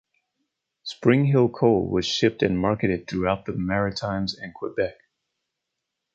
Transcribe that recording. Springhill coal was shipped and marketed throughout the Maritimes and Quebec.